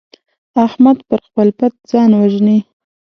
احمد پر خپل پت ځان وژني.